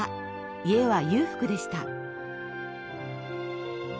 家は裕福でした。